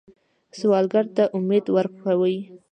سوالګر ته امید ورکوئ